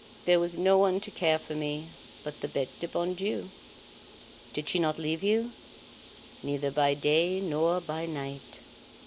There was no one to care for me but the Bete du bon Dieu!" "Did she not leave you?" "Neither by day nor by night."